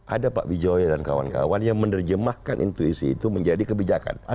ada pak wijaya dan kawan kawan yang menerjemahkan intuisi itu menjadi kebijakan